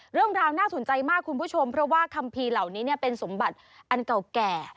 เรื่องราวน่าสนใจมากคุณผู้ชมเพราะว่าคัมภีร์เหล่านี้เป็นสมบัติอันเก่าแก่